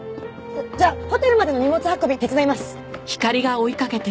じゃあホテルまでの荷物運び手伝います。